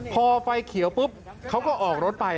พอไฟเขียวปุ๊บเขาก็ออกรถไป